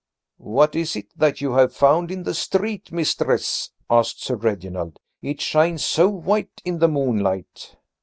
"What is it that you have found in the street, mistress?" asked Sir Reginald. "It shines so white in the moonlight."